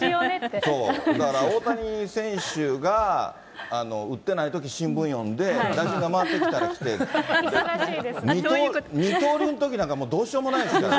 だから大谷選手が打ってないとき新聞読んで、打順が回ってきたりして、二刀流のときなんか、どうしようもないですから。